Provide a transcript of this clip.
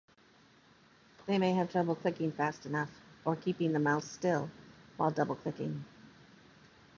They may have trouble clicking fast enough or keeping the mouse still while double-clicking.